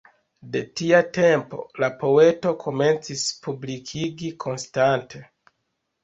De tia tempo la poeto komencis publikigi konstante.